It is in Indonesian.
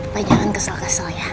pak jangan kesel kesel ya